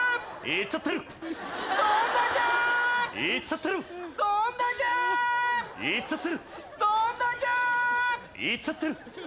いっちゃってるー。